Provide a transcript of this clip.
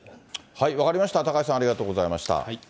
分かりました、高橋さん、ありがとうございました。